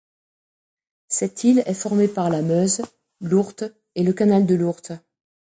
Cette île est formée par la Meuse, l'Ourthe et le canal de l'Ourthe.